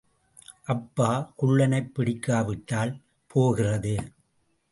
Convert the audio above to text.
அப்பா, குள்ளனைப் பிடிக்காவிட்டால் போகிறது.